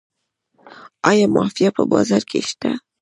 آیا مافیا په بازار کې شته؟